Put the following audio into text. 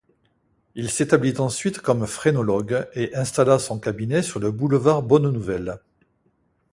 Il s'établit ensuite comme phrénologue et installa son cabinet sur le boulevard Bonne-Nouvelle.